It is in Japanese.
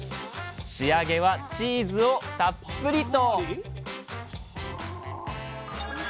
仕上げはチーズをたっぷりと。